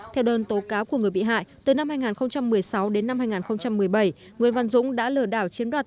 theo đơn tố cáo của người bị hại từ năm hai nghìn một mươi sáu đến năm hai nghìn một mươi bảy nguyễn văn dũng đã lừa đảo chiếm đoạt